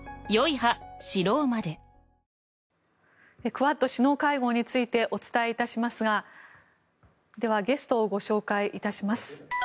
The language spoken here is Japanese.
クアッド首脳会合についてお伝えいたしますがでは、ゲストをご紹介いたします。